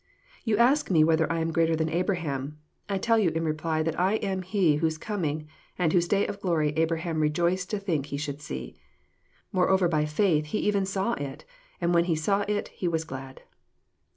You ask Me whether I am greater than Abraham. I tell you in reply that I am He whose coming and whose day of gloiy Abraham rejoiced to think he should see. Moreover by faith he even saw it, and when he saw it he was glad."